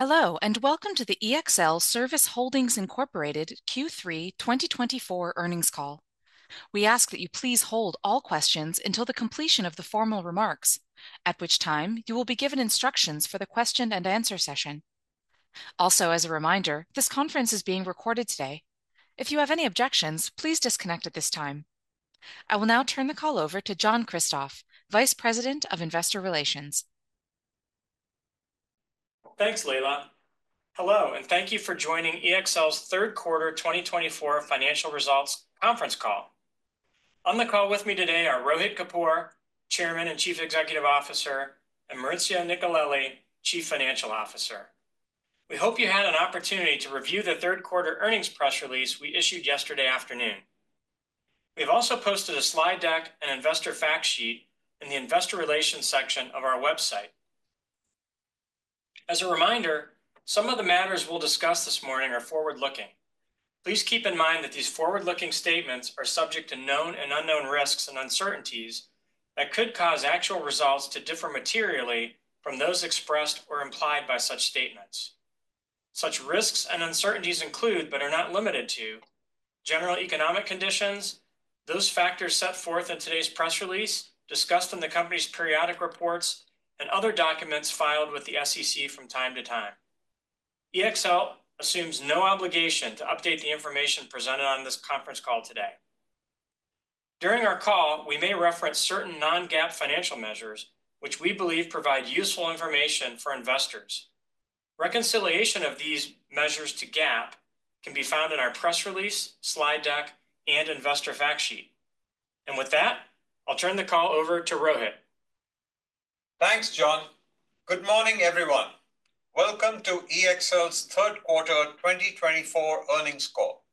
Hello, and welcome to the EXL Service Holdings, Incorporated Q3 2024 earnings call. We ask that you please hold all questions until the completion of the formal remarks, at which time you will be given instructions for the question-and-answer session. Also, as a reminder, this conference is being recorded today. If you have any objections, please disconnect at this time. I will now turn the call over to John Kristoff, Vice President of Investor Relations. Thanks, Leila. Hello, and thank you for joining EXL's third quarter 2024 financial results conference call. On the call with me today are Rohit Kapoor, Chairman and Chief Executive Officer, and Maurizio Nicolelli, Chief Financial Officer. We hope you had an opportunity to review the third quarter earnings press release we issued yesterday afternoon. We have also posted a slide deck and investor fact sheet in the Investor Relations section of our website. As a reminder, some of the matters we'll discuss this morning are forward-looking. Please keep in mind that these forward-looking statements are subject to known and unknown risks and uncertainties that could cause actual results to differ materially from those expressed or implied by such statements. Such risks and uncertainties include, but are not limited to, general economic conditions, those factors set forth in today's press release, discussed in the company's periodic reports, and other documents filed with the SEC from time to time. EXL assumes no obligation to update the information presented on this conference call today. During our call, we may reference certain non-GAAP financial measures, which we believe provide useful information for investors. Reconciliation of these measures to GAAP can be found in our press release, slide deck, and investor fact sheet. And with that, I'll turn the call over to Rohit. Thanks, John. Good morning, everyone. Welcome to EXL's third quarter 2024 earnings call.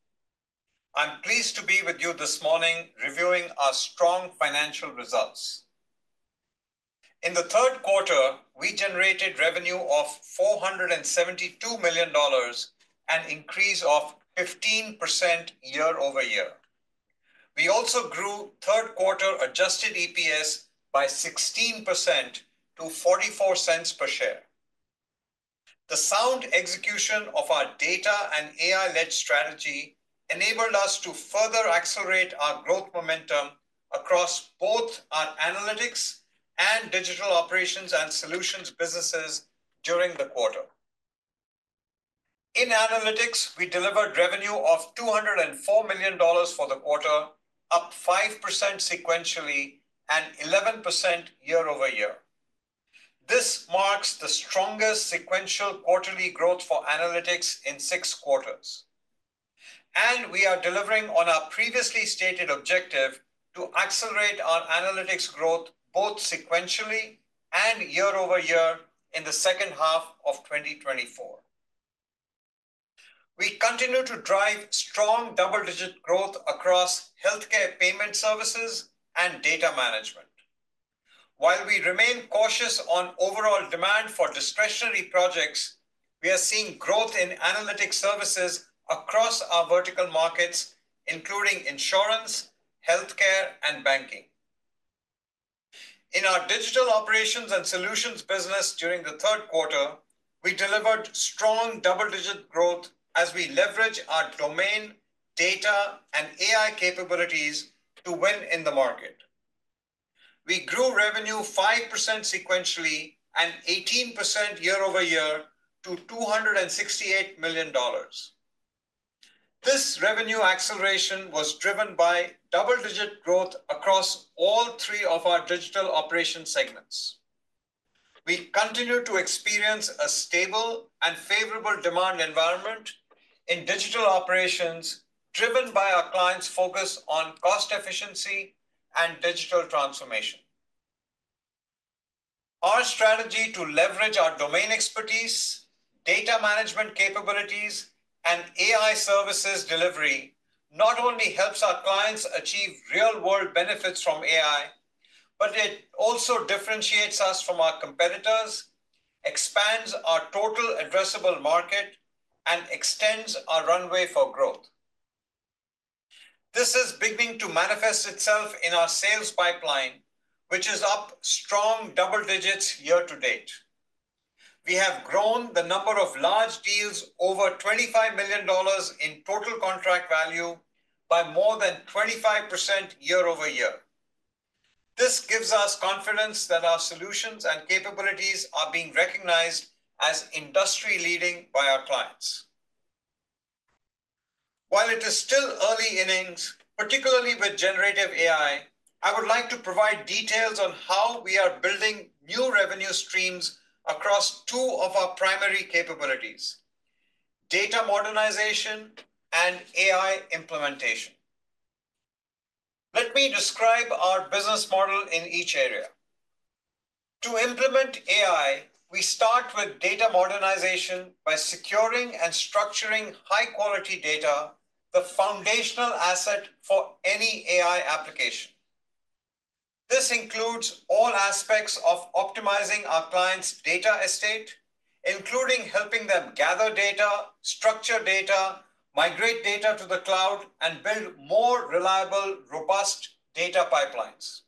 I'm pleased to be with you this morning reviewing our strong financial results. In the third quarter, we generated revenue of $472 million and an increase of 15% year over year. We also grew third quarter adjusted EPS by 16% to $0.44 per share. The sound execution of our data and AI-led strategy enabled us to further accelerate our growth momentum across both our analytics and digital operations and solutions businesses during the quarter. In analytics, we delivered revenue of $204 million for the quarter, up 5% sequentially and 11% year over year. This marks the strongest sequential quarterly growth for analytics in six quarters. And we are delivering on our previously stated objective to accelerate our analytics growth both sequentially and year over year in the second half of 2024. We continue to drive strong double-digit growth across healthcare payment services and data management. While we remain cautious on overall demand for discretionary projects, we are seeing growth in analytics services across our vertical markets, including insurance, healthcare, and banking. In our digital operations and solutions business during the third quarter, we delivered strong double-digit growth as we leverage our domain, data, and AI capabilities to win in the market. We grew revenue 5% sequentially and 18% year over year to $268 million. This revenue acceleration was driven by double-digit growth across all three of our digital operations segments. We continue to experience a stable and favorable demand environment in digital operations driven by our clients' focus on cost efficiency and digital transformation. Our strategy to leverage our domain expertise, data management capabilities, and AI services delivery not only helps our clients achieve real-world benefits from AI, but it also differentiates us from our competitors, expands our total addressable market, and extends our runway for growth. This is beginning to manifest itself in our sales pipeline, which is up strong double digits year to date. We have grown the number of large deals over $25 million in total contract value by more than 25% year over year. This gives us confidence that our solutions and capabilities are being recognized as industry-leading by our clients. While it is still early innings, particularly with generative AI, I would like to provide details on how we are building new revenue streams across two of our primary capabilities: data modernization and AI implementation. Let me describe our business model in each area. To implement AI, we start with data modernization by securing and structuring high-quality data, the foundational asset for any AI application. This includes all aspects of optimizing our clients' data estate, including helping them gather data, structure data, migrate data to the cloud, and build more reliable, robust data pipelines.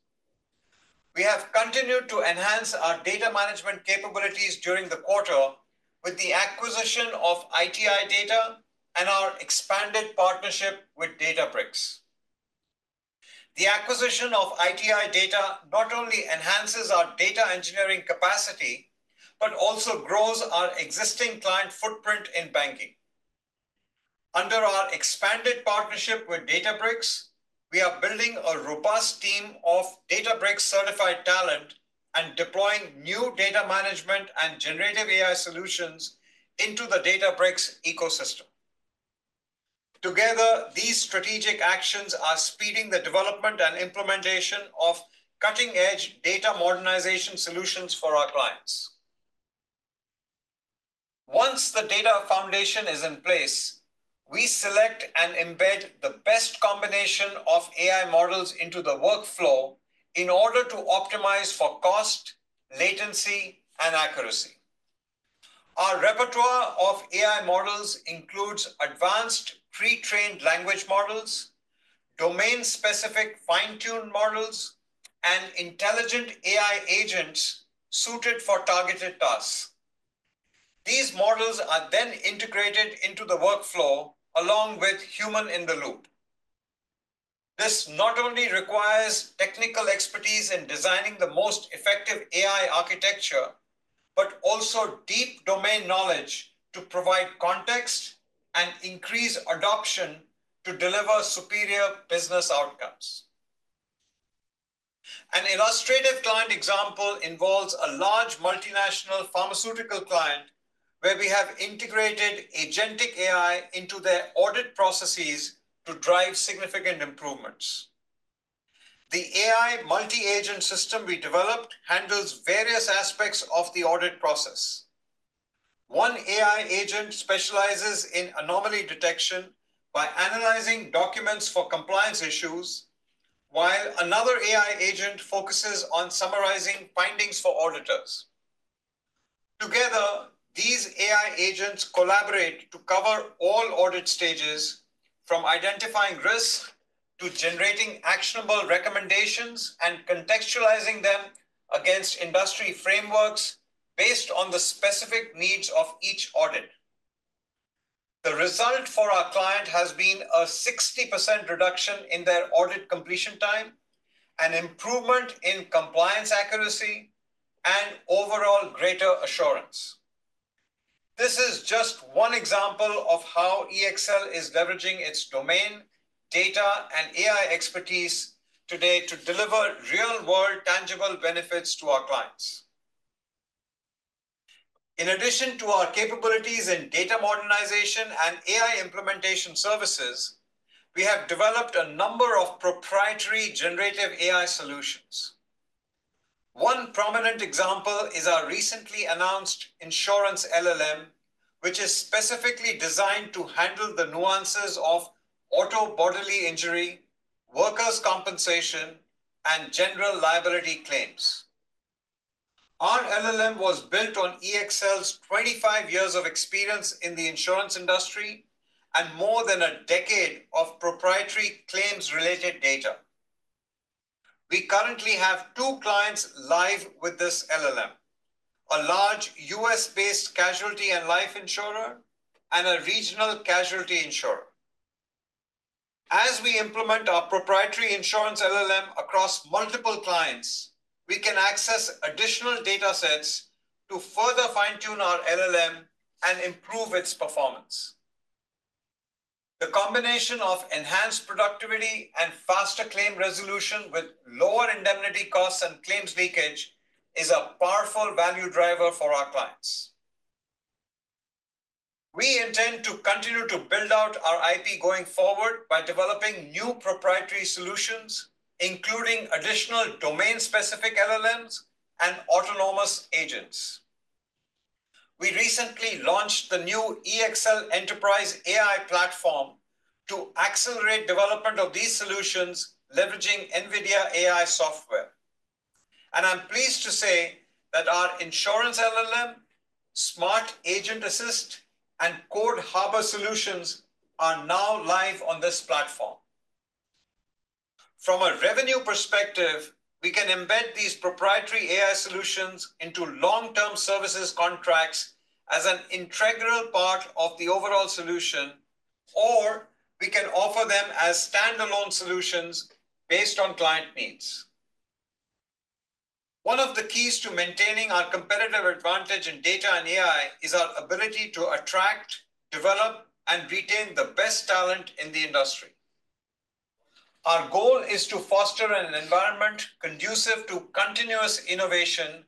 We have continued to enhance our data management capabilities during the quarter with the acquisition of ITI Data and our expanded partnership with Databricks. The acquisition of ITI Data not only enhances our data engineering capacity but also grows our existing client footprint in banking. Under our expanded partnership with Databricks, we are building a robust team of Databricks-certified talent and deploying new data management and generative AI solutions into the Databricks ecosystem. Together, these strategic actions are speeding the development and implementation of cutting-edge data modernization solutions for our clients. Once the data foundation is in place, we select and embed the best combination of AI models into the workflow in order to optimize for cost, latency, and accuracy. Our repertoire of AI models includes advanced pre-trained language models, domain-specific fine-tuned models, and intelligent AI agents suited for targeted tasks. These models are then integrated into the workflow along with human-in-the-loop. This not only requires technical expertise in designing the most effective AI architecture but also deep domain knowledge to provide context and increase adoption to deliver superior business outcomes. An illustrative client example involves a large multinational pharmaceutical client where we have integrated agentic AI into their audit processes to drive significant improvements. The AI multi-agent system we developed handles various aspects of the audit process. One AI agent specializes in anomaly detection by analyzing documents for compliance issues, while another AI agent focuses on summarizing findings for auditors. Together, these AI agents collaborate to cover all audit stages, from identifying risks to generating actionable recommendations and contextualizing them against industry frameworks based on the specific needs of each audit. The result for our client has been a 60% reduction in their audit completion time, an improvement in compliance accuracy, and overall greater assurance. This is just one example of how EXL is leveraging its domain, data, and AI expertise today to deliver real-world tangible benefits to our clients. In addition to our capabilities in data modernization and AI implementation services, we have developed a number of proprietary generative AI solutions. One prominent example is our recently announced Insurance LLM, which is specifically designed to handle the nuances of auto bodily injury, workers' compensation, and general liability claims. Our LLM was built on EXL's 25 years of experience in the insurance industry and more than a decade of proprietary claims-related data. We currently have two clients live with this LLM: a large U.S.-based casualty and life insurer and a regional casualty insurer. As we implement our proprietary insurance LLM across multiple clients, we can access additional data sets to further fine-tune our LLM and improve its performance. The combination of enhanced productivity and faster claim resolution with lower indemnity costs and claims leakage is a powerful value driver for our clients. We intend to continue to build out our IP going forward by developing new proprietary solutions, including additional domain-specific LLMs and autonomous agents. We recently launched the new EXL Enterprise AI Platform to accelerate development of these solutions, leveraging NVIDIA AI software. I'm pleased to say that our Insurance LLM, Smart Agent Assist, and Code Harbor solutions are now live on this platform. From a revenue perspective, we can embed these proprietary AI solutions into long-term services contracts as an integral part of the overall solution, or we can offer them as standalone solutions based on client needs. One of the keys to maintaining our competitive advantage in data and AI is our ability to attract, develop, and retain the best talent in the industry. Our goal is to foster an environment conducive to continuous innovation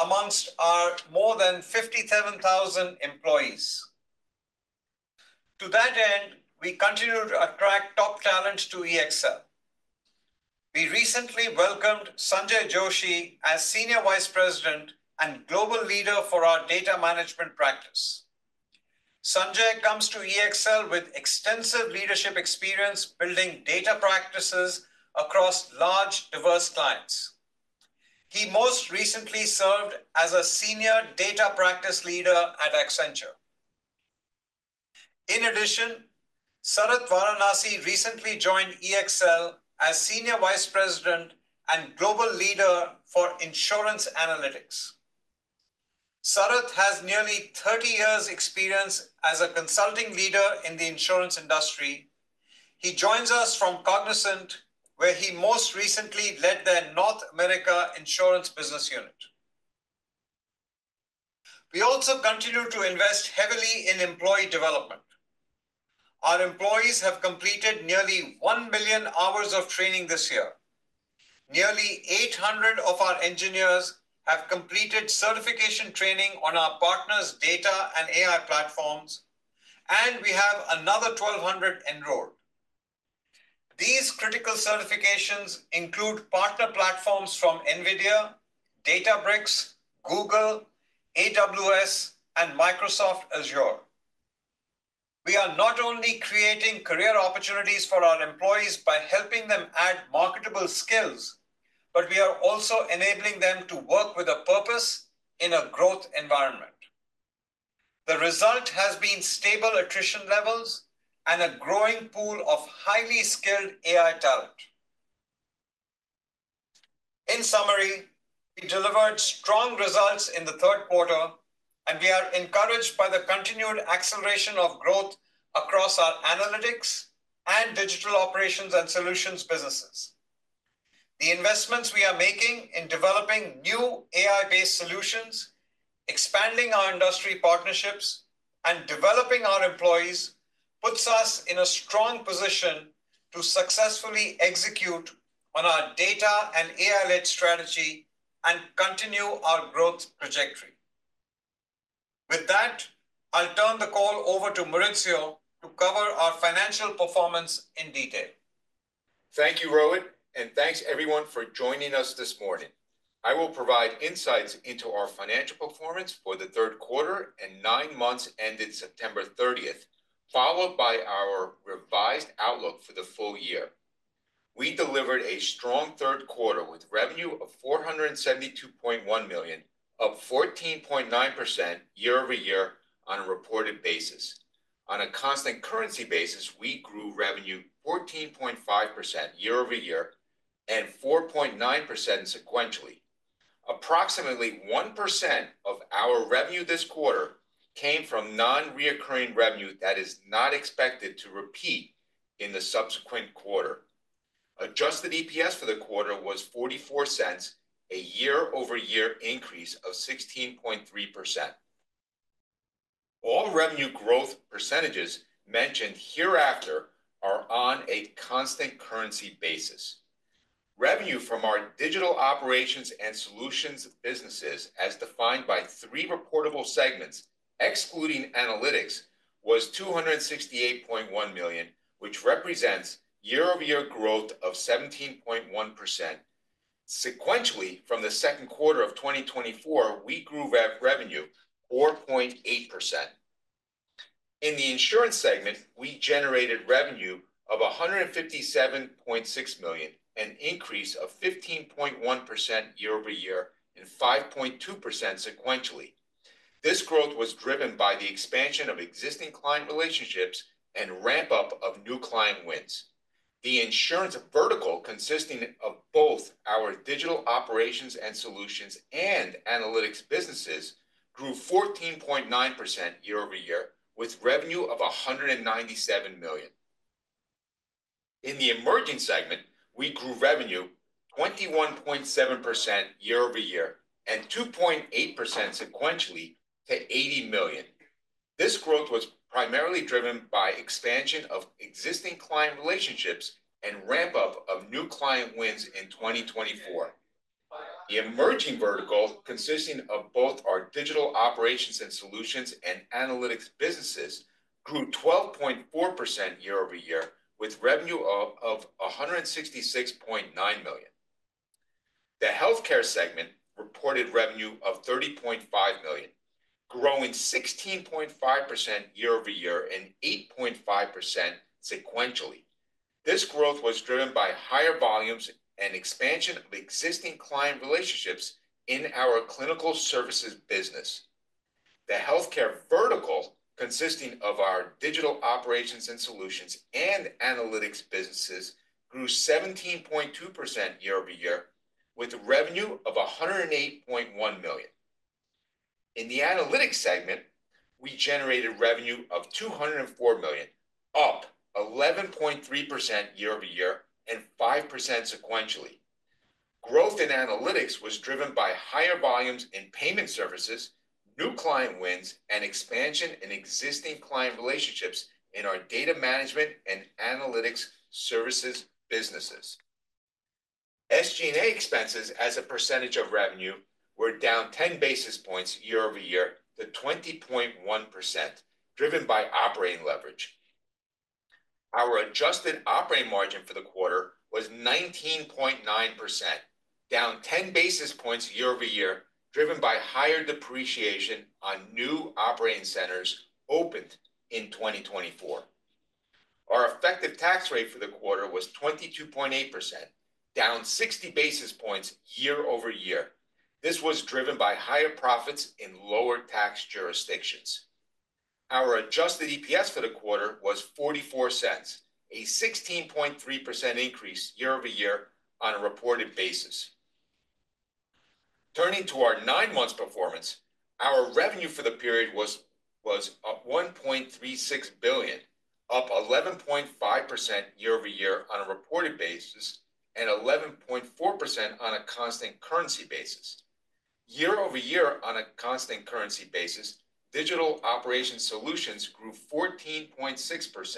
amongst our more than 57,000 employees. To that end, we continue to attract top talent to EXL. We recently welcomed Sanjay Joshi as Senior Vice President and Global Leader for our data management practice. Sanjay comes to EXL with extensive leadership experience building data practices across large, diverse clients. He most recently served as a Senior Data Practice Leader at Accenture. In addition, Sarath Varanasi recently joined EXL as Senior Vice President and Global Leader for Insurance Analytics. Sarath has nearly 30 years' experience as a consulting leader in the insurance industry. He joins us from Cognizant, where he most recently led their North America insurance business unit. We also continue to invest heavily in employee development. Our employees have completed nearly 1 million hours of training this year. Nearly 800 of our engineers have completed certification training on our partners' data and AI platforms, and we have another 1,200 enrolled. These critical certifications include partner platforms from NVIDIA, Databricks, Google, AWS, and Microsoft Azure. We are not only creating career opportunities for our employees by helping them add marketable skills, but we are also enabling them to work with a purpose in a growth environment. The result has been stable attrition levels and a growing pool of highly skilled AI talent. In summary, we delivered strong results in the third quarter, and we are encouraged by the continued acceleration of growth across our analytics and digital operations and solutions businesses. The investments we are making in developing new AI-based solutions, expanding our industry partnerships, and developing our employees puts us in a strong position to successfully execute on our data and AI-led strategy and continue our growth trajectory. With that, I'll turn the call over to Maurizio to cover our financial performance in detail. Thank you, Rohit, and thanks everyone for joining us this morning. I will provide insights into our financial performance for the third quarter and nine months ended September 30, followed by our revised outlook for the full year. We delivered a strong third quarter with revenue of $472.1 million, up 14.9% year-over-year on a reported basis. On a constant currency basis, we grew revenue 14.5% year-over-year and 4.9% sequentially. Approximately 1% of our revenue this quarter came from non-recurring revenue that is not expected to repeat in the subsequent quarter. Adjusted EPS for the quarter was $0.44, a year-over-year increase of 16.3%. All revenue growth percentages mentioned hereafter are on a constant currency basis. Revenue from our digital operations and solutions businesses, as defined by three reportable segments excluding analytics, was $268.1 million, which represents year-over-year growth of 17.1%. Sequentially, from the second quarter of 2024, we grew revenue 4.8%. In the insurance segment, we generated revenue of $157.6 million, an increase of 15.1% year-over-year and 5.2% sequentially. This growth was driven by the expansion of existing client relationships and ramp-up of new client wins. The insurance vertical, consisting of both our digital operations and solutions and analytics businesses, grew 14.9% year over year with revenue of $197 million. In the emerging segment, we grew revenue 21.7% year over year and 2.8% sequentially to $80 million. This growth was primarily driven by expansion of existing client relationships and ramp-up of new client wins in 2024. The emerging vertical, consisting of both our digital operations and solutions and analytics businesses, grew 12.4% year over year with revenue of $166.9 million. The healthcare segment reported revenue of $30.5 million, growing 16.5% year over year and 8.5% sequentially. This growth was driven by higher volumes and expansion of existing client relationships in our clinical services business. The healthcare vertical, consisting of our digital operations and solutions and analytics businesses, grew 17.2% year over year with revenue of $108.1 million. In the analytics segment, we generated revenue of $204 million, up 11.3% year over year and 5% sequentially. Growth in analytics was driven by higher volumes in payment services, new client wins, and expansion in existing client relationships in our data management and analytics services businesses. SG&A expenses, as a percentage of revenue, were down 10 basis points year over year to 20.1%, driven by operating leverage. Our adjusted operating margin for the quarter was 19.9%, down 10 basis points year over year, driven by higher depreciation on new operating centers opened in 2024. Our effective tax rate for the quarter was 22.8%, down 60 basis points year over year. This was driven by higher profits in lower tax jurisdictions. Our adjusted EPS for the quarter was $0.44, a 16.3% increase year over year on a reported basis. Turning to our nine-month performance, our revenue for the period was $1.36 billion, up 11.5% year over year on a reported basis and 11.4% on a constant currency basis. Year over year on a constant currency basis, digital operations solutions grew 14.6%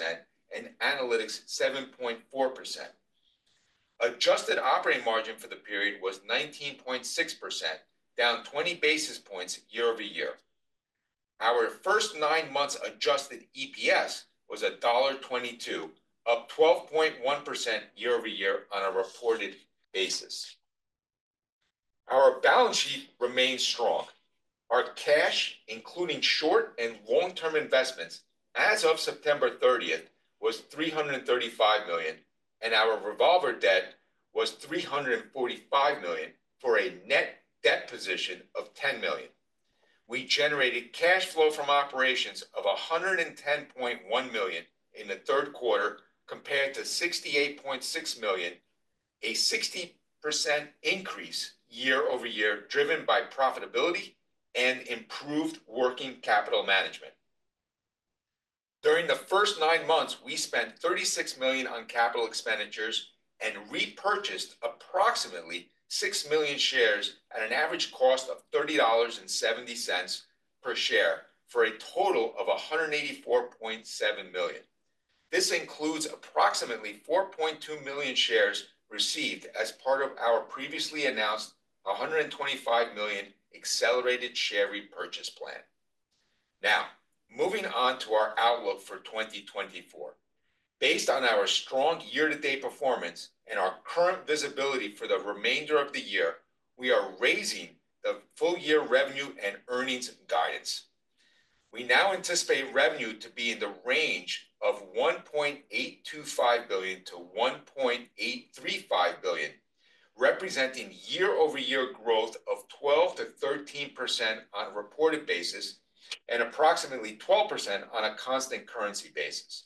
and analytics 7.4%. Adjusted operating margin for the period was 19.6%, down 20 basis points year over year. Our first nine months' adjusted EPS was $1.22, up 12.1% year over year on a reported basis. Our balance sheet remained strong. Our cash, including short and long-term investments, as of September 30, was $335 million, and our revolver debt was $345 million for a net debt position of $10 million. We generated cash flow from operations of $110.1 million in the third quarter, compared to $68.6 million, a 60% increase year over year driven by profitability and improved working capital management. During the first nine months, we spent $36 million on capital expenditures and repurchased approximately six million shares at an average cost of $30.70 per share for a total of $184.7 million. This includes approximately 4.2 million shares received as part of our previously announced $125 million accelerated share repurchase plan. Now, moving on to our outlook for 2024. Based on our strong year-to-date performance and our current visibility for the remainder of the year, we are raising the full-year revenue and earnings guidance. We now anticipate revenue to be in the range of $1.825 billion-$1.835 billion, representing year-over-year growth of 12%-13% on a reported basis and approximately 12% on a constant currency basis.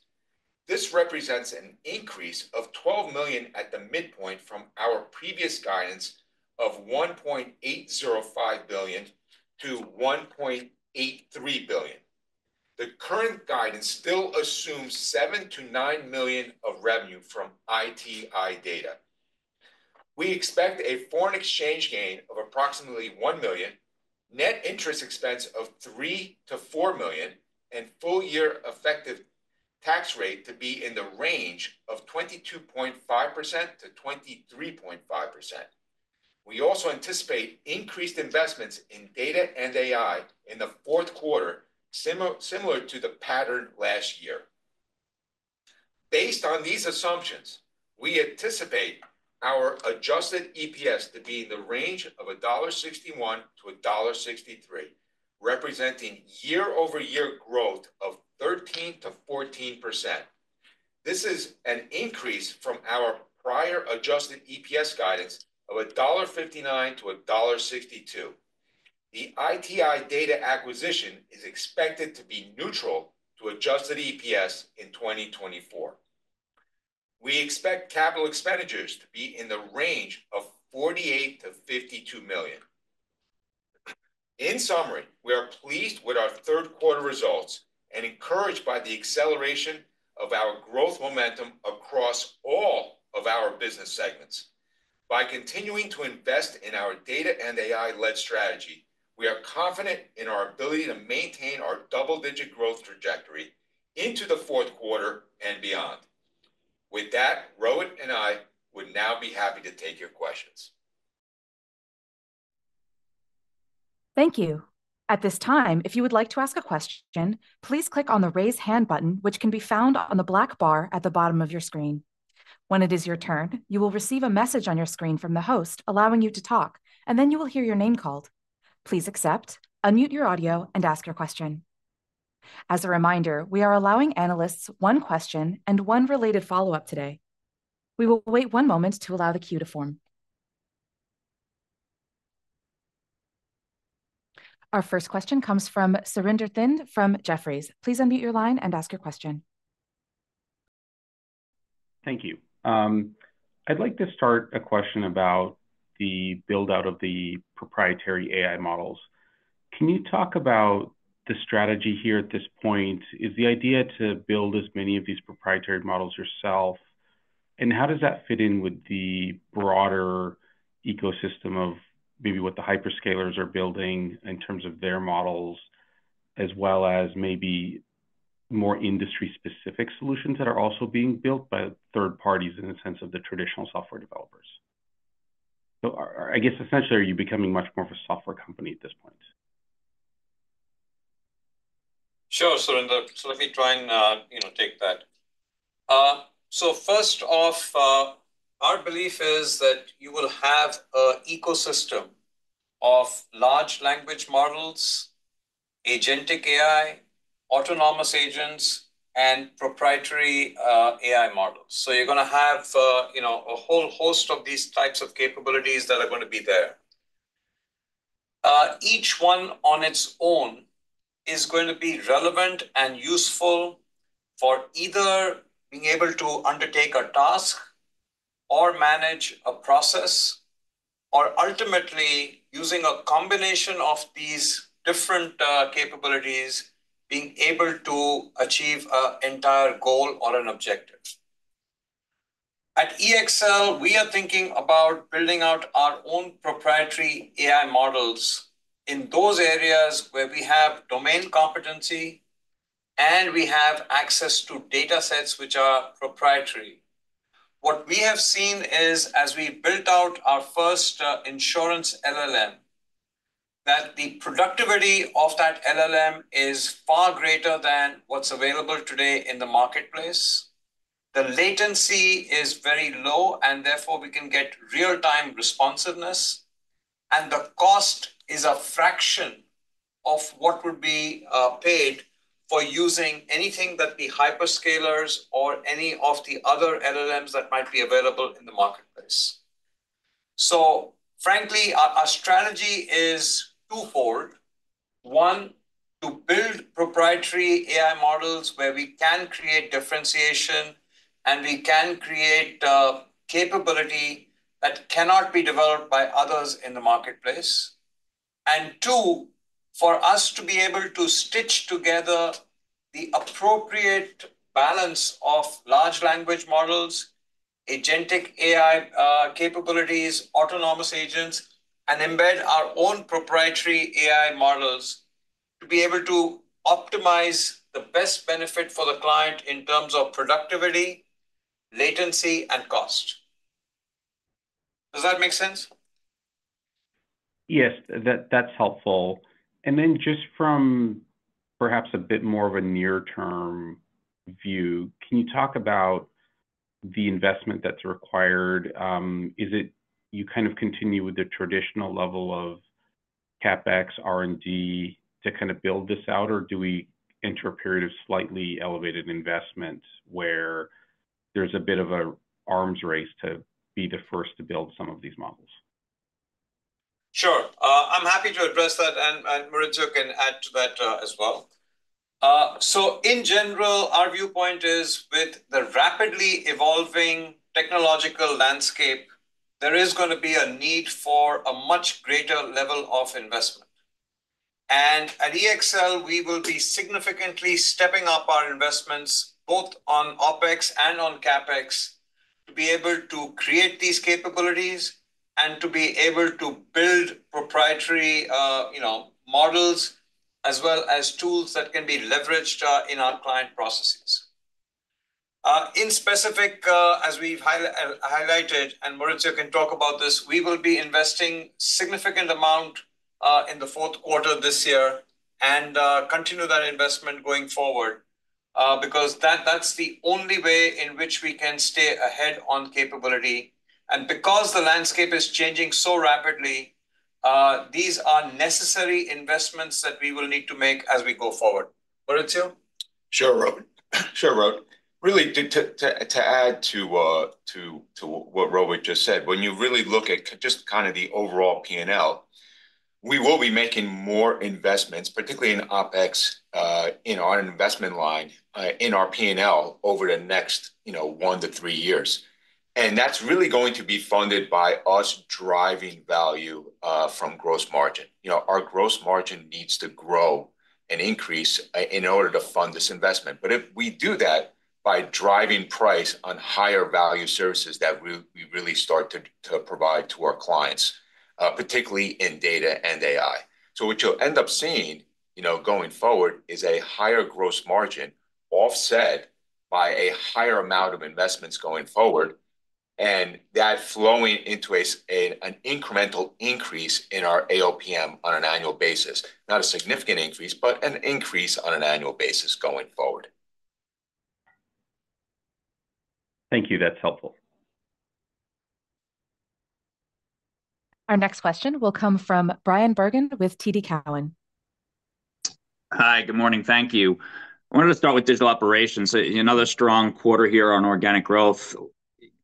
This represents an increase of $12 million at the midpoint from our previous guidance of $1.805 billion-$1.83 billion. The current guidance still assumes $7-$9 million of revenue from ITI Data. We expect a foreign exchange gain of approximately $1 million, net interest expense of $3 million-$4 million, and full-year effective tax rate to be in the range of 22.5%-23.5%. We also anticipate increased investments in data and AI in the fourth quarter, similar to the pattern last year. Based on these assumptions, we anticipate our Adjusted EPS to be in the range of $1.61-$1.63, representing year-over-year growth of 13%-14%. This is an increase from our prior Adjusted EPS guidance of $1.59-$1.62. The ITI Data acquisition is expected to be neutral to Adjusted EPS in 2024. We expect capital expenditures to be in the range of $48 million-$52 million. In summary, we are pleased with our third-quarter results and encouraged by the acceleration of our growth momentum across all of our business segments. By continuing to invest in our data and AI-led strategy, we are confident in our ability to maintain our double-digit growth trajectory into the fourth quarter and beyond. With that, Rohit and I would now be happy to take your questions. Thank you. At this time, if you would like to ask a question, please click on the Raise Hand button, which can be found on the black bar at the bottom of your screen. When it is your turn, you will receive a message on your screen from the host allowing you to talk, and then you will hear your name called. Please accept, unmute your audio, and ask your question. As a reminder, we are allowing analysts one question and one related follow-up today. We will wait one moment to allow the queue to form. Our first question comes from Surinder Thind from Jefferies. Please unmute your line and ask your question. Thank you. I'd like to start a question about the build-out of the proprietary AI models. Can you talk about the strategy here at this point? Is the idea to build as many of these proprietary models yourself? And how does that fit in with the broader ecosystem of maybe what the hyperscalers are building in terms of their models, as well as maybe more industry-specific solutions that are also being built by third parties in the sense of the traditional software developers? So I guess, essentially, are you becoming much more of a software company at this point? Sure. Surinder, so let me try and take that. So first off, our belief is that you will have an ecosystem of large language models, agentic AI, autonomous agents, and proprietary AI models. So you're going to have a whole host of these types of capabilities that are going to be there. Each one on its own is going to be relevant and useful for either being able to undertake a task or manage a process, or ultimately using a combination of these different capabilities, being able to achieve an entire goal or an objective. At EXL, we are thinking about building out our own proprietary AI models in those areas where we have domain competency and we have access to data sets which are proprietary. What we have seen is, as we built out our first insurance LLM, that the productivity of that LLM is far greater than what's available today in the marketplace. The latency is very low, and therefore we can get real-time responsiveness, and the cost is a fraction of what would be paid for using anything that the hyperscalers or any of the other LLMs that might be available in the marketplace, so frankly, our strategy is twofold. One, to build proprietary AI models where we can create differentiation and we can create capability that cannot be developed by others in the marketplace, and two, for us to be able to stitch together the appropriate balance of large language models, agentic AI capabilities, autonomous agents, and embed our own proprietary AI models to be able to optimize the best benefit for the client in terms of productivity, latency, and cost. Does that make sense? Yes, that's helpful, and then just from perhaps a bit more of a near-term view, can you talk about the investment that's required? Is it you kind of continue with the traditional level of CapEx, R&D to kind of build this out, or do we enter a period of slightly elevated investment where there's a bit of an arms race to be the first to build some of these models? Sure. I'm happy to address that, and Maurizio can add to that as well. So in general, our viewpoint is, with the rapidly evolving technological landscape, there is going to be a need for a much greater level of investment, and at EXL, we will be significantly stepping up our investments both on OpEx and on CapEx to be able to create these capabilities and to be able to build proprietary models as well as tools that can be leveraged in our client processes. Specifically, as we've highlighted, and Maurizio can talk about this, we will be investing a significant amount in the fourth quarter this year and continue that investment going forward because that's the only way in which we can stay ahead on capability, and because the landscape is changing so rapidly, these are necessary investments that we will need to make as we go forward. Maurizio? Sure, Rohit. Sure, Rohit. Really, to add to what Rohit just said, when you really look at just kind of the overall P&L, we will be making more investments, particularly in OpEx, in our investment line, in our P&L over the next one to three years, and that's really going to be funded by us driving value from gross margin. Our gross margin needs to grow and increase in order to fund this investment. But if we do that by driving price on higher value services that we really start to provide to our clients, particularly in data and AI. So what you'll end up seeing going forward is a higher gross margin offset by a higher amount of investments going forward, and that flowing into an incremental increase in our AOPM on an annual basis. Not a significant increase, but an increase on an annual basis going forward. Thank you. That's helpful. Our next question will come from Bryan Bergin with TD Cowen. Hi, good morning. Thank you. I wanted to start with digital operations. Another strong quarter here on organic growth.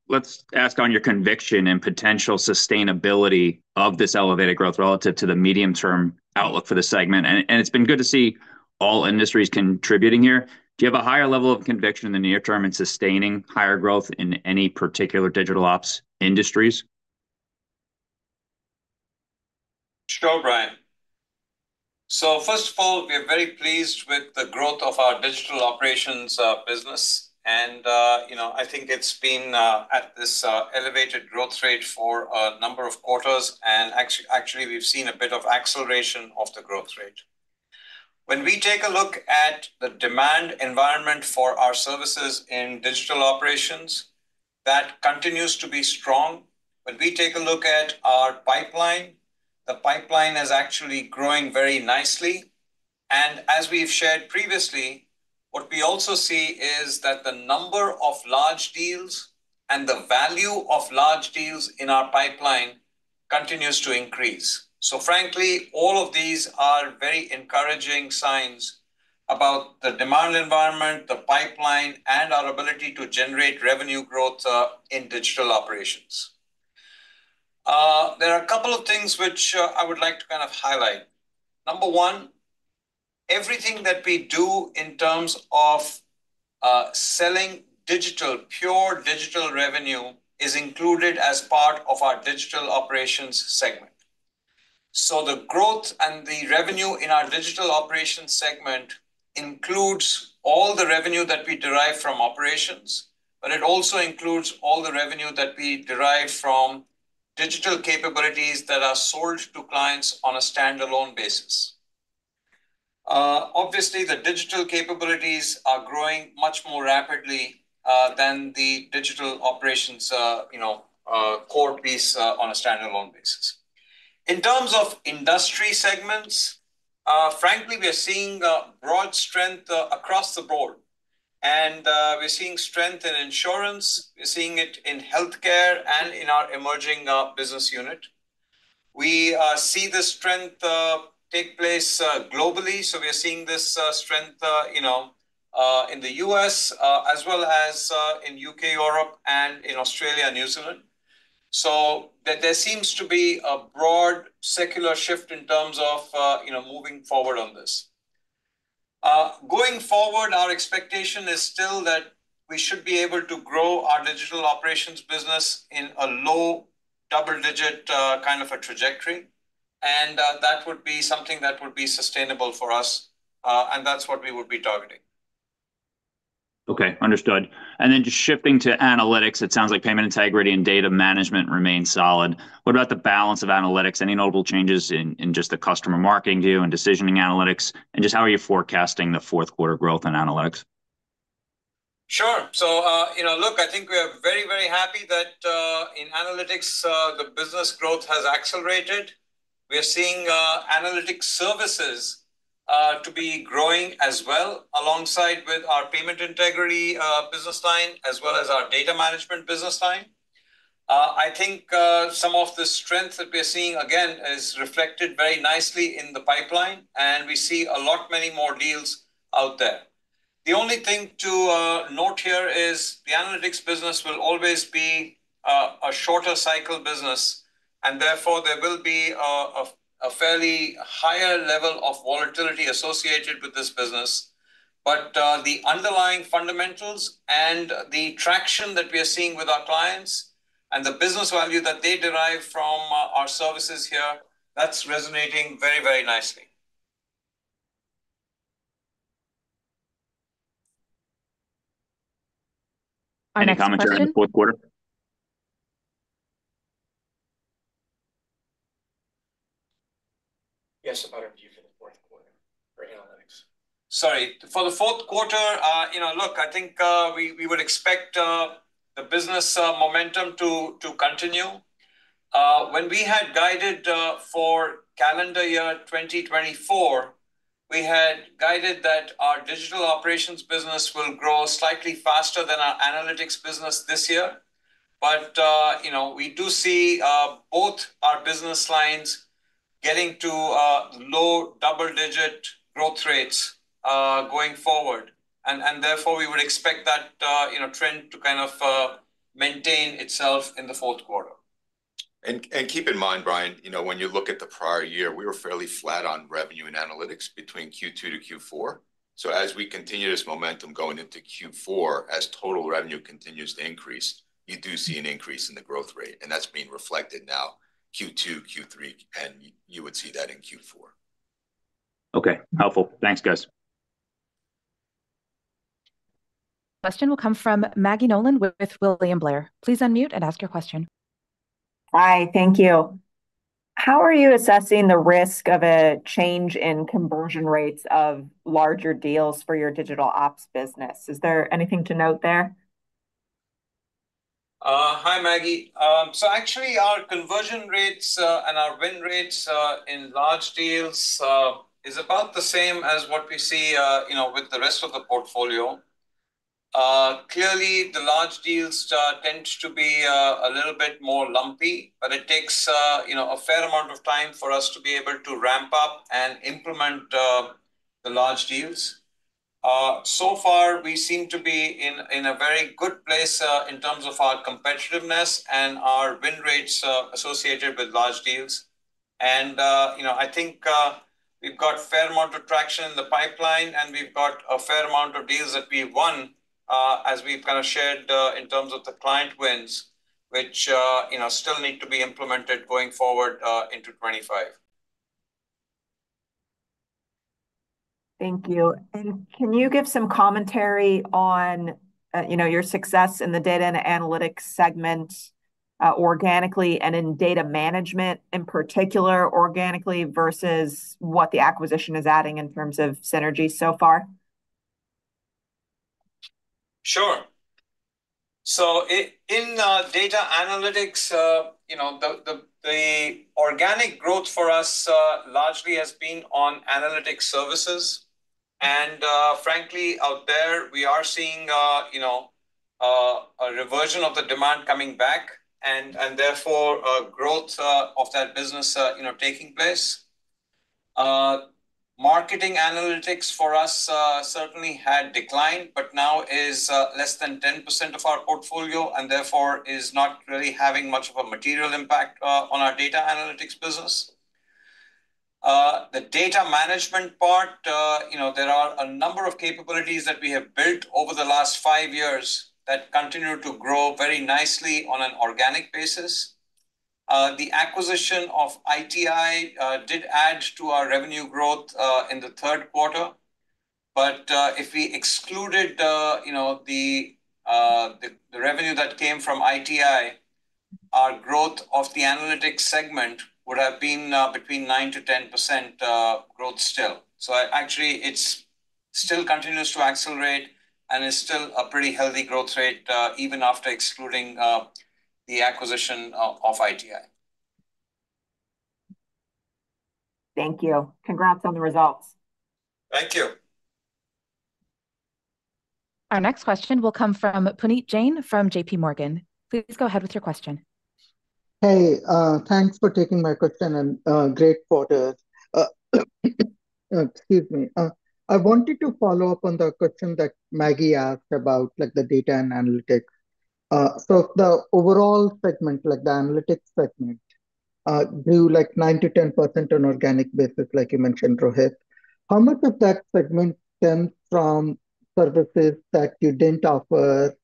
Let's ask on your conviction and potential sustainability of this elevated growth relative to the medium-term outlook for the segment. And it's been good to see all industries contributing here. Do you have a higher level of conviction in the near term in sustaining higher growth in any particular digital ops industries? Sure, Bryan. So first of all, we are very pleased with the growth of our digital operations business. And I think it's been at this elevated growth rate for a number of quarters. And actually, we've seen a bit of acceleration of the growth rate. When we take a look at the demand environment for our services in digital operations, that continues to be strong. When we take a look at our pipeline, the pipeline is actually growing very nicely. And as we've shared previously, what we also see is that the number of large deals and the value of large deals in our pipeline continues to increase. So frankly, all of these are very encouraging signs about the demand environment, the pipeline, and our ability to generate revenue growth in digital operations. There are a couple of things which I would like to kind of highlight. Number one, everything that we do in terms of selling digital, pure digital revenue is included as part of our digital operations segment, so the growth and the revenue in our digital operations segment includes all the revenue that we derive from operations, but it also includes all the revenue that we derive from digital capabilities that are sold to clients on a standalone basis. Obviously, the digital capabilities are growing much more rapidly than the digital operations core piece on a standalone basis. In terms of industry segments, frankly, we are seeing broad strength across the board, and we're seeing strength in insurance. We're seeing it in healthcare and in our emerging business unit. We see this strength take place globally. So we are seeing this strength in the U.S., as well as in U.K., Europe, and in Australia and New Zealand. So there seems to be a broad secular shift in terms of moving forward on this. Going forward, our expectation is still that we should be able to grow our digital operations business in a low double-digit kind of a trajectory. And that would be something that would be sustainable for us. And that's what we would be targeting. Okay. Understood. And then just shifting to analytics, it sounds like payment integrity and data management remain solid. What about the balance of analytics? Any notable changes in just the customer marketing view and decisioning analytics? And just how are you forecasting the fourth quarter growth in analytics? Sure. So look, I think we are very, very happy that in analytics, the business growth has accelerated. We are seeing analytic services to be growing as well alongside with our payment integrity business line, as well as our data management business line. I think some of the strength that we are seeing, again, is reflected very nicely in the pipeline. And we see a lot many more deals out there. The only thing to note here is the analytics business will always be a shorter cycle business. And therefore, there will be a fairly higher level of volatility associated with this business. But the underlying fundamentals and the traction that we are seeing with our clients and the business value that they derive from our services here, that's resonating very, very nicely. Our next question. Commentary on the fourth quarter? Yes, about our view for the fourth quarter for analytics. Sorry. For the fourth quarter, look, I think we would expect the business momentum to continue. When we had guided for calendar year 2024, we had guided that our digital operations business will grow slightly faster than our analytics business this year. But we do see both our business lines getting to low double-digit growth rates going forward. And therefore, we would expect that trend to kind of maintain itself in the fourth quarter. And keep in mind, Bryan, when you look at the prior year, we were fairly flat on revenue and analytics between Q2-Q4. So as we continue this momentum going into Q4, as total revenue continues to increase, you do see an increase in the growth rate. And that's being reflected now, Q2, Q3, and you would see that in Q4. Okay. Helpful. Thanks, guys. Question will come from Maggie Nolan with William Blair. Please unmute and ask your question. Hi. Thank you. How are you assessing the risk of a change in conversion rates of larger deals for your digital ops business? Is there anything to note there? Hi, Maggie. So actually, our conversion rates and our win rates in large deals is about the same as what we see with the rest of the portfolio. Clearly, the large deals tend to be a little bit more lumpy, but it takes a fair amount of time for us to be able to ramp up and implement the large deals. So far, we seem to be in a very good place in terms of our competitiveness and our win rates associated with large deals. And I think we've got a fair amount of traction in the pipeline, and we've got a fair amount of deals that we've won, as we've kind of shared in terms of the client wins, which still need to be implemented going forward into 2025. Thank you. And can you give some commentary on your success in the data and analytics segment organically and in data management in particular, organically versus what the acquisition is adding in terms of synergy so far? Sure. So in data analytics, the organic growth for us largely has been on analytic services. And frankly, out there, we are seeing a reversion of the demand coming back and therefore growth of that business taking place. Marketing analytics for us certainly had declined, but now is less than 10% of our portfolio and therefore is not really having much of a material impact on our data analytics business. The data management part, there are a number of capabilities that we have built over the last five years that continue to grow very nicely on an organic basis. The acquisition of ITI did add to our revenue growth in the third quarter. But if we excluded the revenue that came from ITI, our growth of the analytics segment would have been between 9%-10% growth still. So actually, it still continues to accelerate and is still a pretty healthy growth rate even after excluding the acquisition of ITI. Thank you. Congrats on the results. Thank you. Our next question will come from Puneet Jain from JPMorgan. Please go ahead with your question. Hey, thanks for taking my question, and great quarter. Excuse me. I wanted to follow up on the question that Maggie asked about the data and analytics. So the overall segment, the analytics segment, grew 9%-10% on an organic basis, like you mentioned, Rohit. How much of that segment stems from services that you didn't offer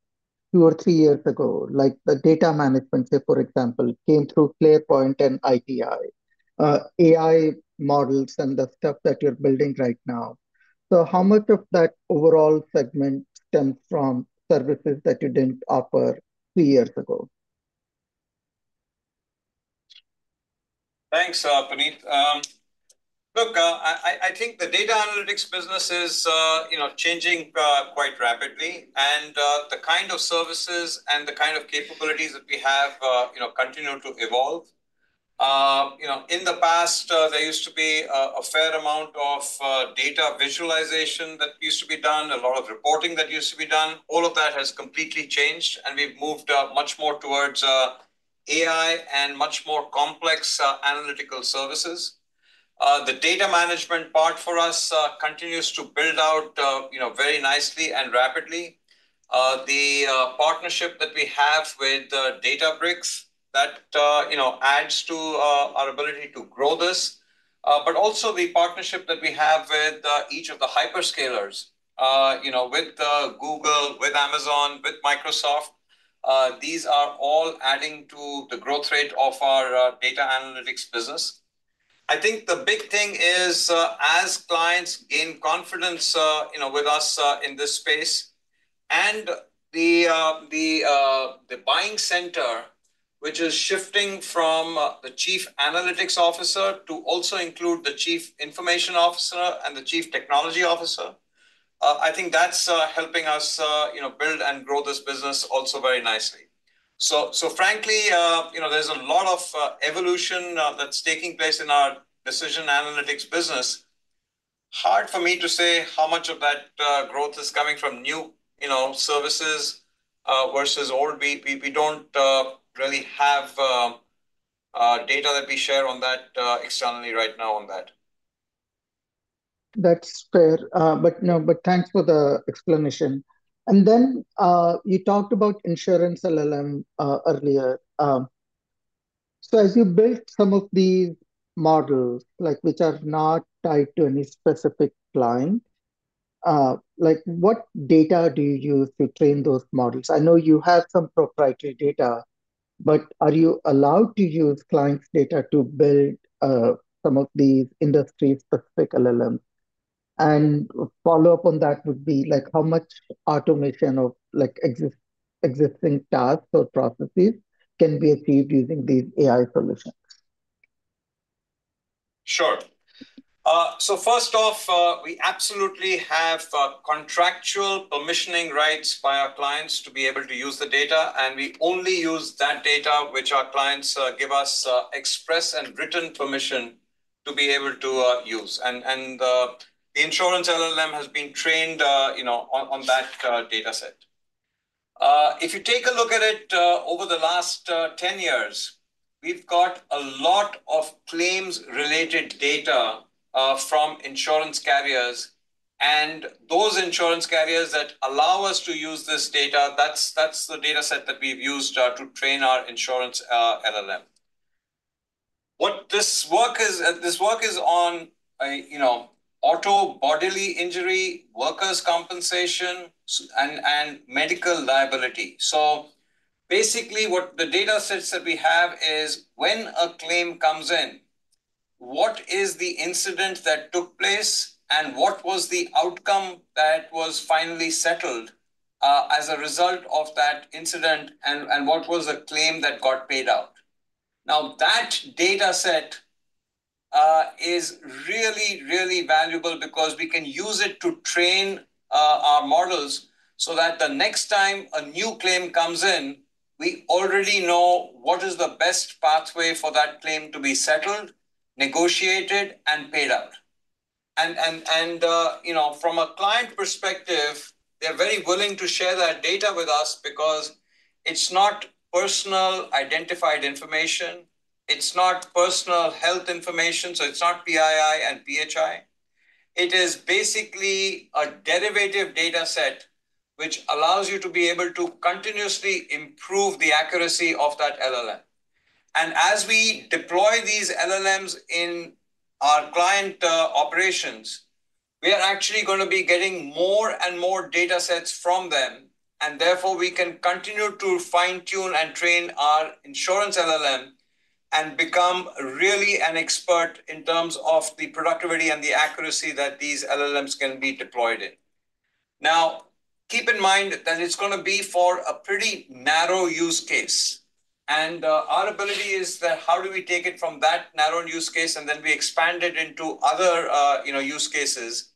two or three years ago? The data management, for example, came through Clairvoyant and ITI, AI models, and the stuff that you're building right now. So how much of that overall segment stems from services that you didn't offer three years ago? Thanks, Puneet. Look, I think the data analytics business is changing quite rapidly, and the kind of services and the kind of capabilities that we have continue to evolve. In the past, there used to be a fair amount of data visualization that used to be done, a lot of reporting that used to be done. All of that has completely changed, and we've moved much more towards AI and much more complex analytical services. The data management part for us continues to build out very nicely and rapidly. The partnership that we have with Databricks, that adds to our ability to grow this. But also the partnership that we have with each of the hyperscalers, with Google, with Amazon, with Microsoft, these are all adding to the growth rate of our data analytics business. I think the big thing is as clients gain confidence with us in this space and the buying center, which is shifting from the chief analytics officer to also include the chief information officer and the chief technology officer, I think that's helping us build and grow this business also very nicely. So frankly, there's a lot of evolution that's taking place in our decision analytics business. Hard for me to say how much of that growth is coming from new services versus old. We don't really have data that we share on that externally right now on that. That's fair. But thanks for the explanation. And then you talked about Insurance LLM earlier. So as you build some of these models, which are not tied to any specific client, what data do you use to train those models? I know you have some proprietary data, but are you allowed to use client's data to build some of these industry-specific LLMs? And follow up on that would be how much automation of existing tasks or processes can be achieved using these AI solutions? Sure, so first off, we absolutely have contractual permissioning rights by our clients to be able to use the data. And we only use that data which our clients give us express and written permission to be able to use, and the Insurance LLM has been trained on that dataset. If you take a look at it over the last 10 years, we've got a lot of claims-related data from insurance carriers, and those insurance carriers that allow us to use this data, that's the dataset that we've used to train our Insurance LLM. What this work is on auto bodily injury, workers' compensation, and medical liability, so basically, what the datasets that we have is when a claim comes in, what is the incident that took place, and what was the outcome that was finally settled as a result of that incident, and what was the claim that got paid out. Now, that dataset is really, really valuable because we can use it to train our models so that the next time a new claim comes in, we already know what is the best pathway for that claim to be settled, negotiated, and paid out, and from a client perspective, they're very willing to share that data with us because it's not personally identifiable information. It's not protected health information. So it's not PII and PHI. It is basically a derivative dataset which allows you to be able to continuously improve the accuracy of that LLM. And as we deploy these LLMs in our client operations, we are actually going to be getting more and more datasets from them. And therefore, we can continue to fine-tune and train our Insurance LLM and become really an expert in terms of the productivity and the accuracy that these LLMs can be deployed in. Now, keep in mind that it's going to be for a pretty narrow use case. And our ability is that how do we take it from that narrow use case and then we expand it into other use cases?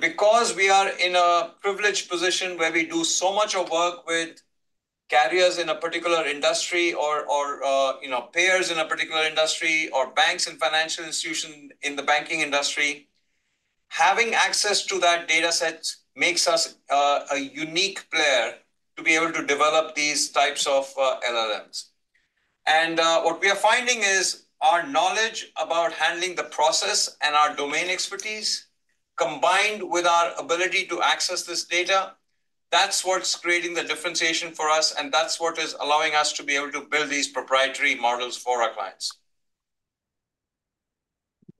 Because we are in a privileged position where we do so much of work with carriers in a particular industry or payers in a particular industry or banks and financial institutions in the banking industry, having access to that dataset makes us a unique player to be able to develop these types of LLMs. What we are finding is our knowledge about handling the process and our domain expertise combined with our ability to access this data, that's what's creating the differentiation for us. That's what is allowing us to be able to build these proprietary models for our clients.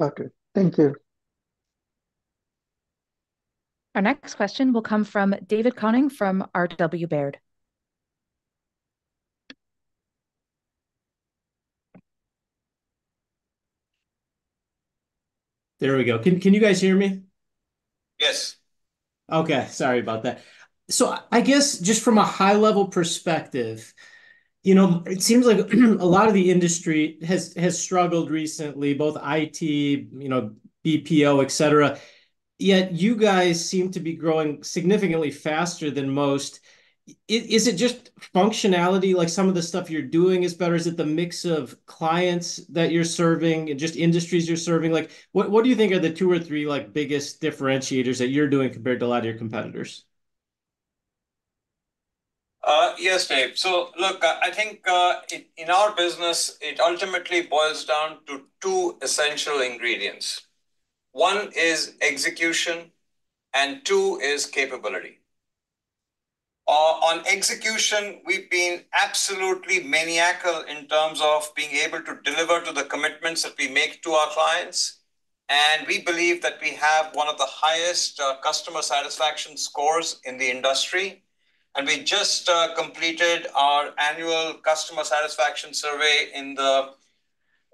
Okay. Thank you. Our next question will come from David Koning from RW Baird. There we go. Can you guys hear me? Yes. Okay. Sorry about that. So I guess just from a high-level perspective, it seems like a lot of the industry has struggled recently, both IT, BPO, etc. Yet you guys seem to be growing significantly faster than most. Is it just functionality? Some of the stuff you're doing is better. Is it the mix of clients that you're serving and just industries you're serving? What do you think are the two or three biggest differentiators that you're doing compared to a lot of your competitors? Yes, Dave. So look, I think in our business, it ultimately boils down to two essential ingredients. One is execution, and two is capability. On execution, we've been absolutely maniacal in terms of being able to deliver to the commitments that we make to our clients. And we believe that we have one of the highest customer satisfaction scores in the industry. We just completed our annual customer satisfaction survey in the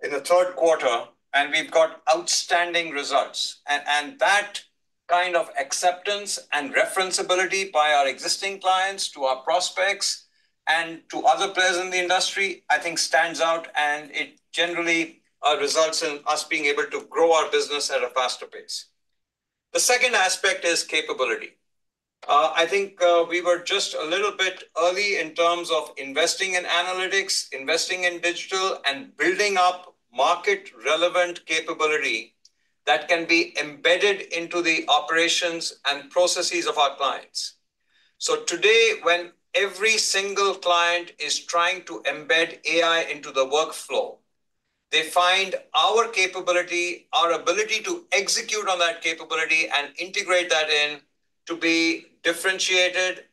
third quarter, and we've got outstanding results. That kind of acceptance and referenceability by our existing clients to our prospects and to other players in the industry, I think, stands out, and it generally results in us being able to grow our business at a faster pace. The second aspect is capability. I think we were just a little bit early in terms of investing in analytics, investing in digital, and building up market-relevant capability that can be embedded into the operations and processes of our clients. Today, when every single client is trying to embed AI into the workflow, they find our capability, our ability to execute on that capability and integrate that into to be differentiated.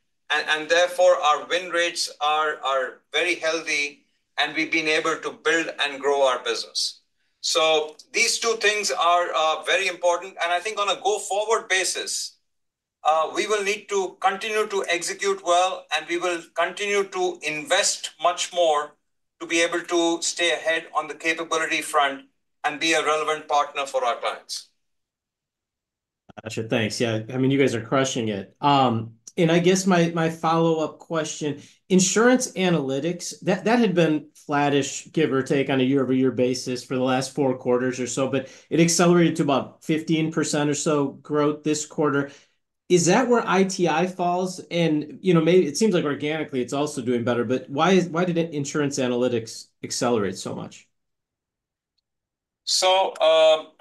Therefore, our win rates are very healthy, and we've been able to build and grow our business. So these two things are very important. And I think on a go-forward basis, we will need to continue to execute well, and we will continue to invest much more to be able to stay ahead on the capability front and be a relevant partner for our clients. Gotcha. Thanks. Yeah. I mean, you guys are crushing it. And I guess my follow-up question, insurance analytics, that had been flattish, give or take on a year-over-year basis for the last four quarters or so, but it accelerated to about 15% or so growth this quarter. Is that where ITI falls? And it seems like organically, it's also doing better. But why did insurance analytics accelerate so much? So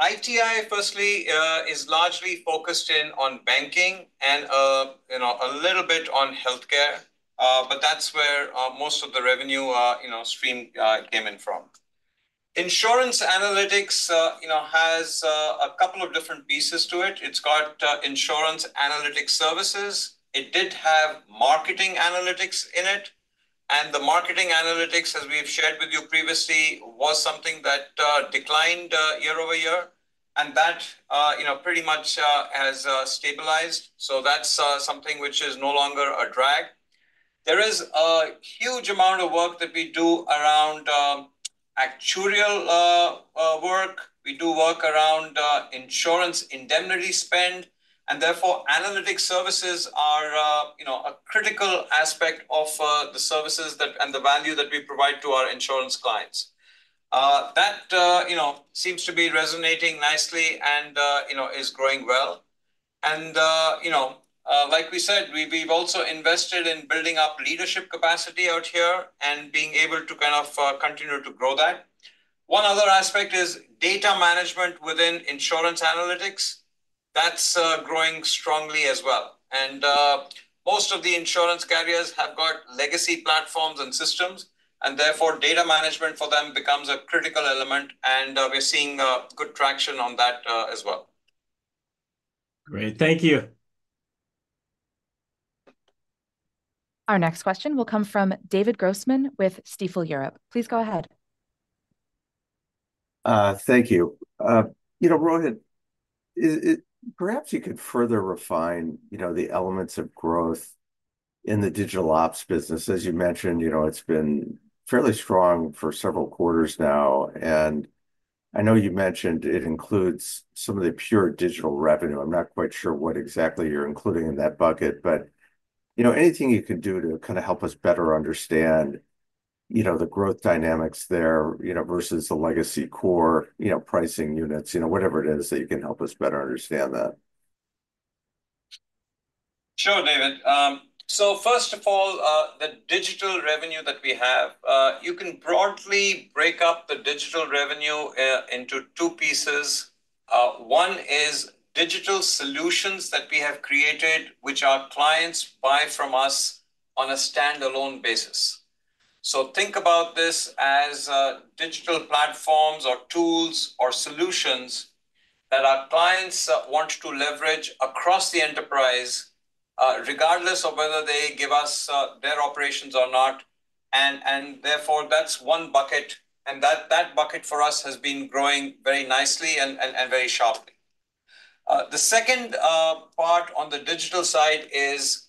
ITI, firstly, is largely focused in on banking and a little bit on healthcare. But that's where most of the revenue stream came in from. Insurance analytics has a couple of different pieces to it. It's got insurance analytics services. It did have marketing analytics in it. And the marketing analytics, as we've shared with you previously, was something that declined year over year. And that pretty much has stabilized. So that's something which is no longer a drag. There is a huge amount of work that we do around actuarial work. We do work around insurance indemnity spend. And therefore, analytics services are a critical aspect of the services and the value that we provide to our insurance clients. That seems to be resonating nicely and is growing well. And like we said, we've also invested in building up leadership capacity out here and being able to kind of continue to grow that. One other aspect is data management within insurance analytics. That's growing strongly as well. And most of the insurance carriers have got legacy platforms and systems. And therefore, data management for them becomes a critical element. And we're seeing good traction on that as well. Great. Thank you. Our next question will come from David Grossman with Stifel Europe. Please go ahead. Thank you. Rohit, perhaps you could further refine the elements of growth in the digital ops business. As you mentioned, it's been fairly strong for several quarters now. And I know you mentioned it includes some of the pure digital revenue. I'm not quite sure what exactly you're including in that bucket, but anything you can do to kind of help us better understand the growth dynamics there versus the legacy core pricing units, whatever it is that you can help us better understand that. Sure, David. So first of all, the digital revenue that we have, you can broadly break up the digital revenue into two pieces. One is digital solutions that we have created, which our clients buy from us on a standalone basis. So think about this as digital platforms or tools or solutions that our clients want to leverage across the enterprise, regardless of whether they give us their operations or not. And therefore, that's one bucket. And that bucket for us has been growing very nicely and very sharply. The second part on the digital side is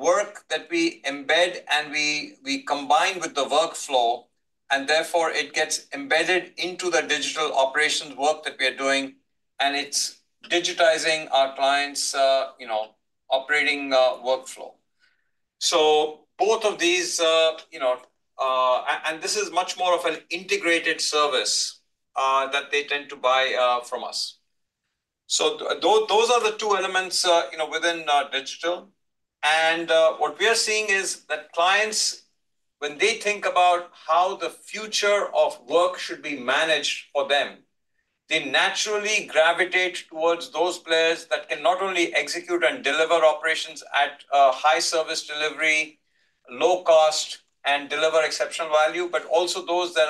work that we embed and we combine with the workflow. And therefore, it gets embedded into the digital operations work that we are doing, and it's digitizing our clients' operating workflow. So both of these, and this is much more of an integrated service that they tend to buy from us. So those are the two elements within digital. And what we are seeing is that clients, when they think about how the future of work should be managed for them, they naturally gravitate towards those players that can not only execute and deliver operations at high service delivery, low cost, and deliver exceptional value, but also those that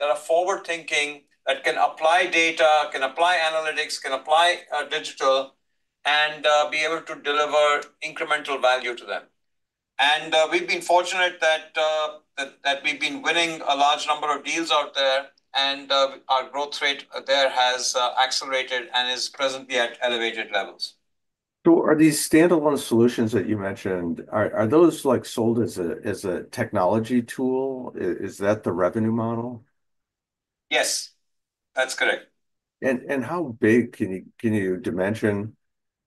are forward-thinking that can apply data, can apply analytics, can apply digital, and be able to deliver incremental value to them. And we've been fortunate that we've been winning a large number of deals out there, and our growth rate there has accelerated and is presently at elevated levels. So are these standalone solutions that you mentioned, are those sold as a technology tool? Is that the revenue model? Yes. That's correct. And how big can you dimension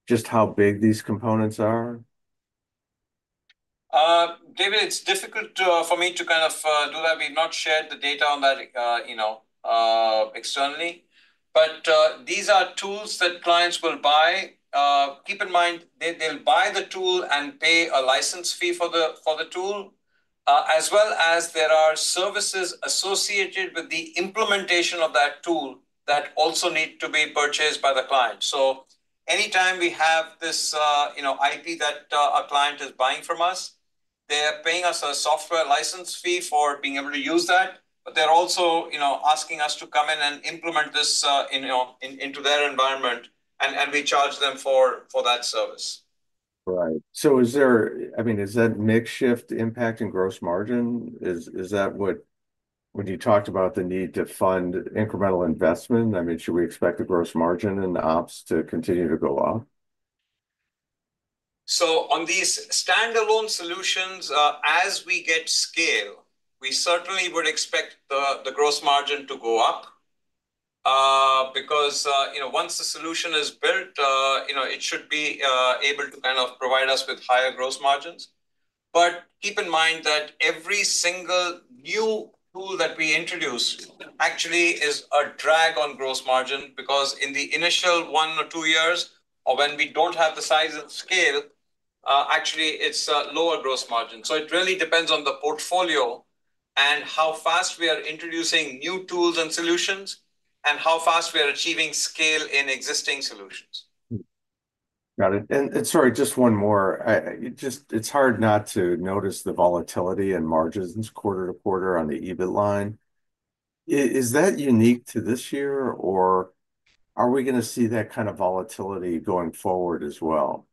just how big these components are? David, it's difficult for me to kind of do that. We've not shared the data on that externally. But these are tools that clients will buy. Keep in mind, they'll buy the tool and pay a license fee for the tool, as well as there are services associated with the implementation of that tool that also need to be purchased by the client. So anytime we have this IP that a client is buying from us, they're paying us a software license fee for being able to use that. But they're also asking us to come in and implement this into their environment, and we charge them for that service. Right. So I mean, is that the shift impact in gross margin? Is that when you talked about the need to fund incremental investment? I mean, should we expect the gross margin and ops to continue to go up? So on these standalone solutions, as we get scale, we certainly would expect the gross margin to go up because once the solution is built, it should be able to kind of provide us with higher gross margins. But keep in mind that every single new tool that we introduce actually is a drag on gross margin because in the initial one or two years or when we don't have the size and scale, actually, it's a lower gross margin. So it really depends on the portfolio and how fast we are introducing new tools and solutions and how fast we are achieving scale in existing solutions. Got it. And sorry, just one more. It's hard not to notice the volatility in margins quarter to quarter on the EBIT line. Is that unique to this year, or are we going to see that kind of volatility going forward as well?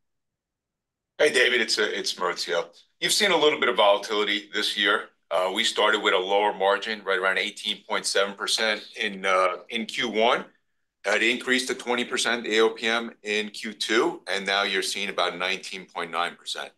Hey, David, it's Maurizio. You've seen a little bit of volatility this year. We started with a lower margin right around 18.7% in Q1. It increased to 20% AOPM in Q2, and now you're seeing about 19.9%.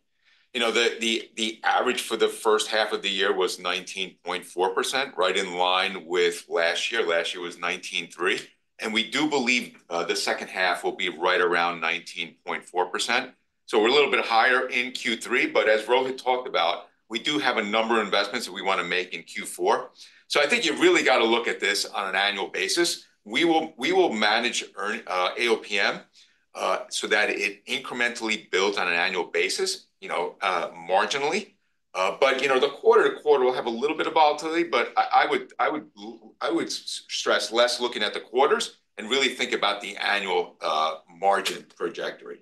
The average for the first half of the year was 19.4%, right in line with last year. Last year was 19.3%, and we do believe the second half will be right around 19.4%, so we're a little bit higher in Q3. But as Rohit talked about, we do have a number of investments that we want to make in Q4, so I think you've really got to look at this on an annual basis. We will manage AOPM so that it incrementally builds on an annual basis marginally. But the quarter to quarter will have a little bit of volatility, but I would stress less looking at the quarters and really think about the annual margin trajectory.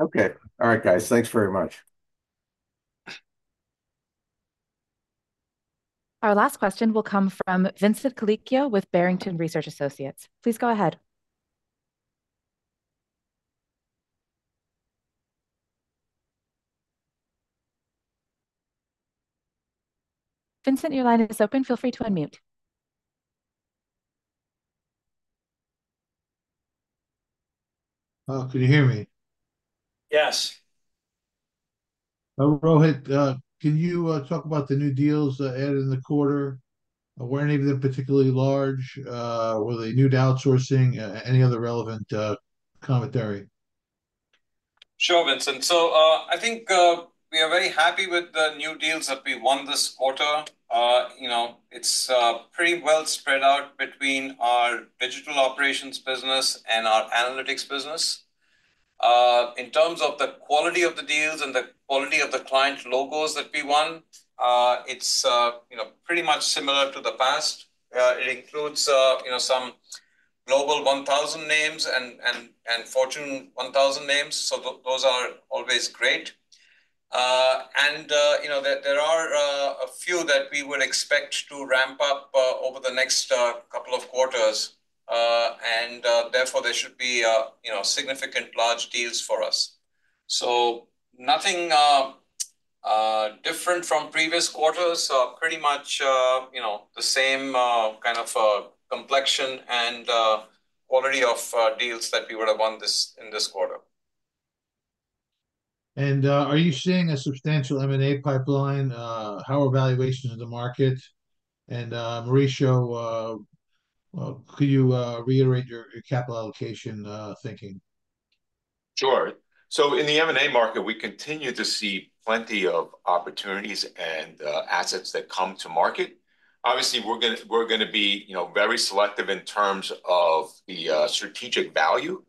Okay. All right, guys. Thanks very much. Our last question will come from Vincent Colicchio with Barrington Research Associates. Please go ahead. Vincent, your line is open. Feel free to unmute. Can you hear me? Yes. Rohit, can you talk about the new deals added in the quarter? Weren't even particularly large. Were they new to outsourcing? Any other relevant commentary? Sure, Vincent. So I think we are very happy with the new deals that we won this quarter. It's pretty well spread out between our digital operations business and our analytics business. In terms of the quality of the deals and the quality of the client logos that we won, it's pretty much similar to the past. It includes some Global 1000 names and Fortune 1000 names. So those are always great. And there are a few that we would expect to ramp up over the next couple of quarters. And therefore, there should be significant large deals for us. So nothing different from previous quarters. So pretty much the same kind of complexion and quality of deals that we would have won in this quarter. And are you seeing a substantial M&A pipeline? How are valuations in the market? And Maurizio, could you reiterate your capital allocation thinking? Sure. So in the M&A market, we continue to see plenty of opportunities and assets that come to market. Obviously, we're going to be very selective in terms of the strategic value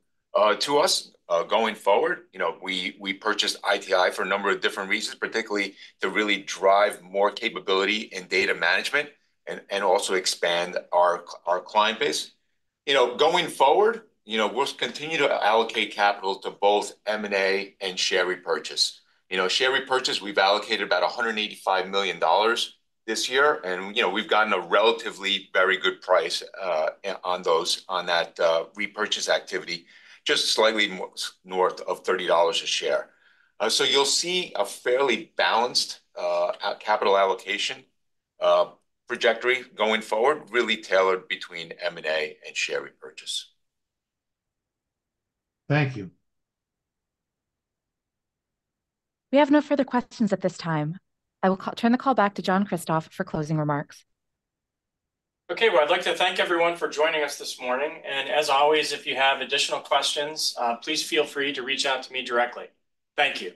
to us going forward. We purchased ITI for a number of different reasons, particularly to really drive more capability in data management and also expand our client base. Going forward, we'll continue to allocate capital to both M&A and share repurchase. Share repurchase, we've allocated about $185 million this year. And we've gotten a relatively very good price on that repurchase activity, just slightly north of $30 a share. So you'll see a fairly balanced capital allocation trajectory going forward, really tailored between M&A and share repurchase. Thank you. We have no further questions at this time. I will turn the call back to John Kristoff for closing remarks. Okay. Well, I'd like to thank everyone for joining us this morning. And as always, if you have additional questions, please feel free to reach out to me directly. Thank you.